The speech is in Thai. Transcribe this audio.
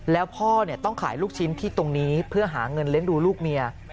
แล้วพ่อต้องขายลูกชิ้นที่ตรงนี้เพื่อหาเงินเลี้ยงดูลูกเมีย